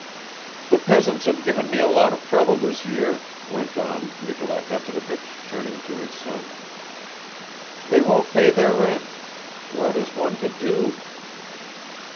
"The peasants have given me a lot of trouble this year," went on Nikolai Petrovich, turning to his son. "They won't pay their rent. What is one to do?"